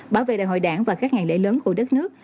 bảo vệ đại hội đảng và các ngày lễ lớn của đất nước